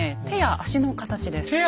手や足の形です。